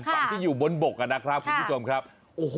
ค่ะฝั่งที่อยู่บนนนะครับคุณผู้ชมครับค่ะโอ้โห